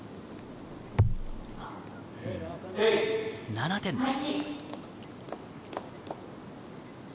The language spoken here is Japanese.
７点です。